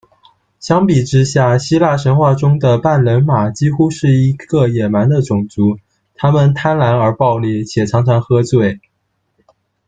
相对之下，希腊神话中的半人马几乎是一个野蛮的种族，他们贪婪而暴力，且常常喝醉。